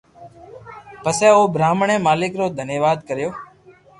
پسي اوڻي براھمڻ اي مالڪ رو دھنيواد ڪريو